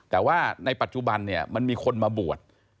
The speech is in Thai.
แต่ว่าในปัจจุบันเนี่ยมันมีคนมาบวช